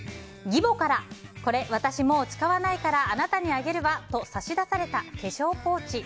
義母からこれ、私もう使わないからあなたにあげるわと差し出された化粧ポーチ。